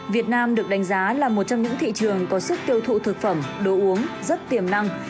việt nam được đánh giá là một trong những thị trường có sức tiêu thụ thực phẩm đồ uống rất tiềm năng